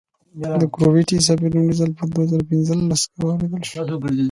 د ګرویتي څپې لومړی ځل په دوه زره پنځلس کې واورېدل شوې.